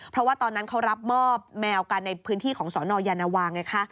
เพราะว่าตอนนั้นเขารับมอบแมวกันในพื้นที่ของสนยานวาไงคะ